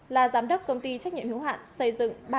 là giám đốc công ty trách nhiệm hiếu hạn xây dựng ba trăm tám mươi chín